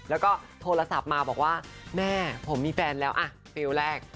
แล้วก็โทรศัพท์มาบอกว่าแม่ผมมีแฟนแล้วอ่ะเฟลล์แรก